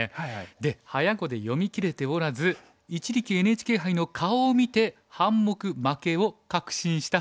で早碁で読みきれておらず一力ＮＨＫ杯の顔を見て半目負けを確信したそうです。